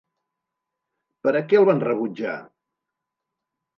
Per a què el van rebutjar?